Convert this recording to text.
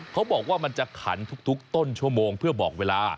เขาบอกว่ามันจะขันทุกต้นชั่วโมงเพื่อบอกเวลา